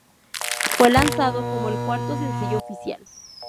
Fue lanzado como el cuarto sencillo oficial.